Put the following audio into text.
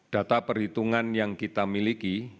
data perhitungan yang kita miliki